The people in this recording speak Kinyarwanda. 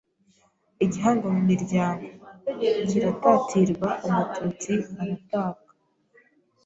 Igihango mu miryango .Kiratatirwa umututsi aratabwa